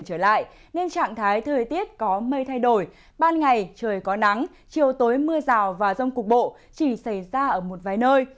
trở lại nên trạng thái thời tiết có mây thay đổi ban ngày trời có nắng chiều tối mưa rào và rông cục bộ chỉ xảy ra ở một vài nơi